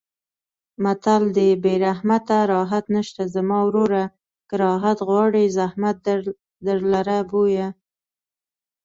متل دی: بې زحمته راحت نشته زما وروره که راحت غواړې زحمت درلره بویه.